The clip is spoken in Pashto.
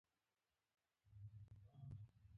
کنتوري تریسونه د ویالو په څیر لښتې دي چې د نرمو غرونو.